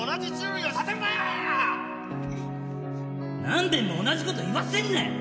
何遍も同じこと言わせんなよ！